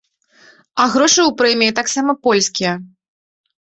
А грошы ў прэміі таксама польскія.